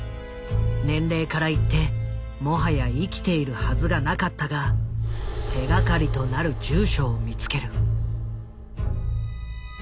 年齢からいってもはや生きているはずがなかったが手がかりとなる住所を見つける。